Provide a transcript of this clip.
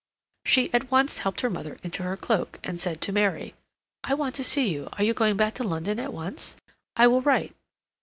She at once helped her mother into her cloak, and said to Mary: "I want to see you. Are you going back to London at once? I will write."